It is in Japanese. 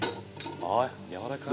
ああやわらかい。